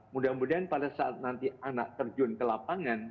mudah mudahan pada saat nanti anak terjun ke lapangan